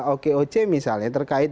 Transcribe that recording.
okoc misalnya terkait